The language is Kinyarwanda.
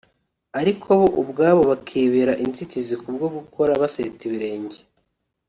ariko bo ubwabo bakibera inzitizi ku bwo gukora baseta ibirenge